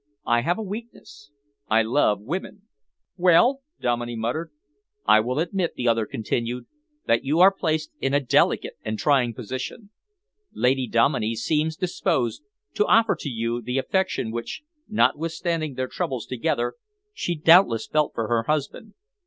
I have a weakness, I love women." "Well?" Dominey muttered. "I will admit," the other continued, "that you are placed in a delicate and trying position. Lady Dominey seems disposed to offer to you the affection which, notwithstanding their troubles together, she doubtless felt for her husband.